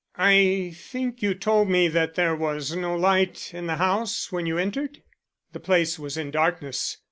"I think you told me that there was no light in the house when you entered?" "The place was in darkness.